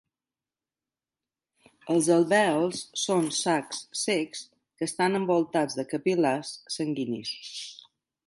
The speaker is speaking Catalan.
Els alvèols són sacs cecs que estan envoltats de capil·lars sanguinis.